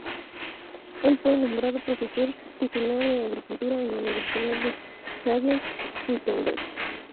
El fue nombrado profesor titular de Agricultura en la Universidad de Halle-Wittenberg.